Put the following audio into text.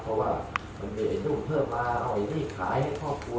เพราะว่ามันมีไอ้นุ่มเพิ่มมาเอาไอ้นี่ขายให้พ่อครัว